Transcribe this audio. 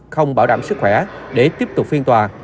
không bảo đảm sức khỏe để tiếp tục phiên tòa